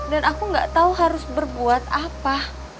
dan aku gak tau harus berbuat apa